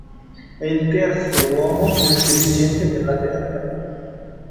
È il terzo uomo più intelligente della Terra.